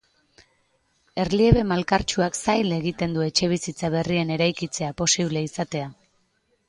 Erliebe malkartsuak zail egiten du etxebizitza berrien eraikitzea posible izatea.